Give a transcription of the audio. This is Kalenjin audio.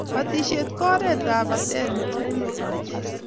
batishet ko oret ab batet nebo emenyo Kenya